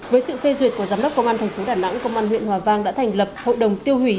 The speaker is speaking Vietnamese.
với sự phê duyệt của giám đốc công an thành phố đà nẵng công an huyện hòa vang đã thành lập hội đồng tiêu hủy